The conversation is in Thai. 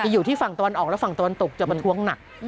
อยู่ที่ฝั่งตะวันออกและฝั่งตะวันตกจะประท้วงหนัก